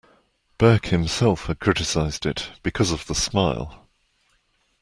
Burke himself had criticized it because of the smile.